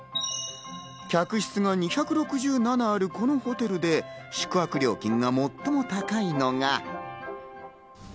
客室が２６７あるこのホテルで宿泊料金が最も高いのが。